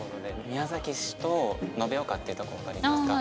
宮崎市と延岡っていうとこわかりますか？